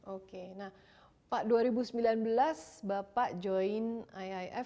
oke nah pak dua ribu sembilan belas bapak join iif